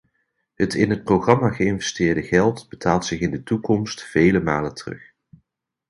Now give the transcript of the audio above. Het in het programma geïnvesteerde geld betaalt zich in de toekomst vele malen terug.